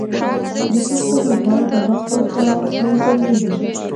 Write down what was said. د ښه خوب لپاره پر وخت خوب ته تلل ضروري دي.